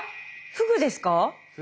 フグです。